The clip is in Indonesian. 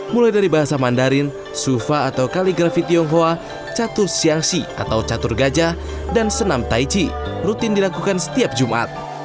mulai dari bahasa mandarin sufa atau kaligrafi tionghoa catur siangsi atau catur gajah dan senam taiji rutin dilakukan setiap jumat